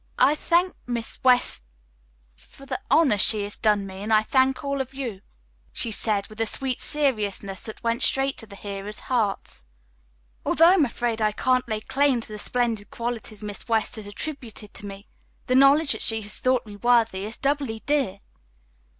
"I thank Miss West for the honor she has done me, and I thank all of you," she said with a sweet seriousness that went straight to her hearers' hearts. "Although I am afraid I can't lay claim to the splendid qualities Miss West has attributed to me, the knowledge that she has thought me worthy is doubly dear."